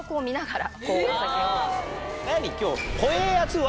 何今日。